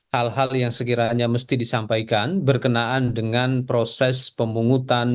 hal hal yang sekiranya mesti disampaikan berkenaan dengan proses pemungutan